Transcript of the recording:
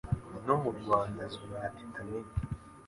no mu Rwanda azwi nka Titanic